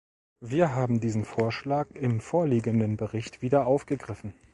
Wir haben diesen Vorschlag im vorliegenden Bericht wieder aufgegriffen.